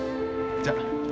じゃあ。